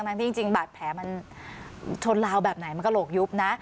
ทั้งที่จริงบาดแผลมันชนลาวแบบไหนมันกระโหลกยุบนะ